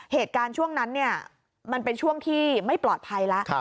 เหตุการณ์ช่วงนั้นมันเป็นช่วงที่ไม่ปลอดภัยแล้ว